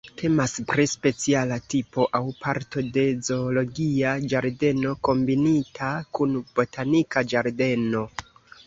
Temas pri speciala tipo aŭ parto de zoologia ĝardeno kombinita kun botanika ĝardeno.